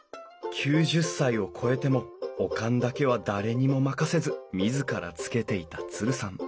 ９０歳を超えてもお燗だけは誰にも任せず自らつけていたツルさん。